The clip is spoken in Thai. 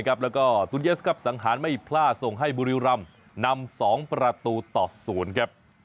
แล้วก็ตูลเยสสังหารไม่พลาดส่งให้บุริรัมน์นำ๒ประตูต่อศูนย์